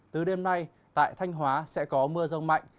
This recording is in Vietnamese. từ đêm nay tại thanh hóa sẽ có mưa rông mạnh